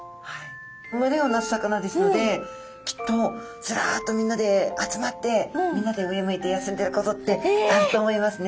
群れを成す魚ですのできっとズラッとみんなで集まってみんなで上向いて休んでることってあると思いますね。